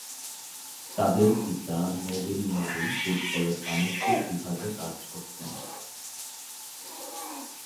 তাদের পিতা Neville Neville ফুটবলের বাণিজ্যিক বিভাগে কাজ করতেন।